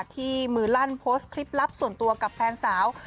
ที่มือลั่นโพสต์คลิปลับส่วนตัวกับแฟนสาว